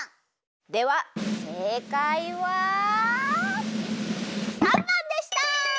ではせいかいは③ばんでした！